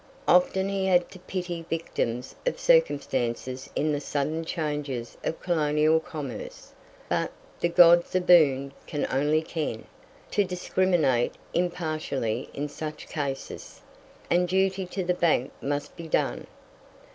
Often he had to pity victims of circumstances in the sudden changes of colonial commerce; but "the gods aboon can only ken" to discriminate impartially in such cases, and duty to the bank must be done.